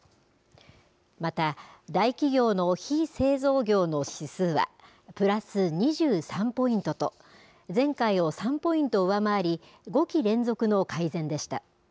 また、大企業の非製造業の指数は、プラス２３ポイントと、前回を３ポイント上回り、５期連続の改善でした。